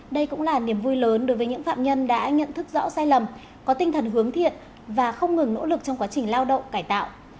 đây cũng là niềm vui lớn đối với những phạm nhân đã nhận thức rõ sai lầm có tinh thần hướng thiện và không ngừng nỗ lực trong quá trình lao động cải tạo